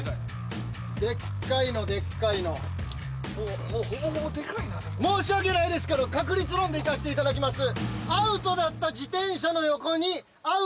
デッカいのデッカいのもうほぼほぼデカいなでも申し訳ないですけど確率論でいかせていただきます